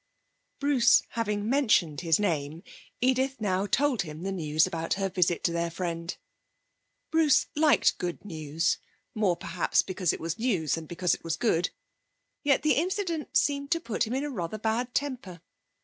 Bruce having mentioned his name, Edith now told him the news about her visit to their friend. Bruce liked good news more, perhaps, because it was news than because it was good yet the incident seemed to put him in a rather bad temper.